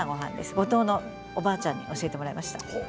五島のおばあちゃんに教えてもらいました。